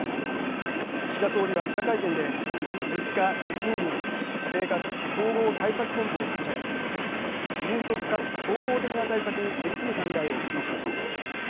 岸田総理は、記者会見で物価・賃金・生活総合対策本部を立ち上げ迅速かつ総合的な対策に取り組む考えを示しました。